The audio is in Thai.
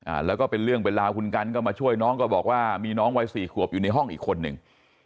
อ่าแล้วก็เป็นเรื่องเป็นราวคุณกันก็มาช่วยน้องก็บอกว่ามีน้องวัยสี่ขวบอยู่ในห้องอีกคนหนึ่ง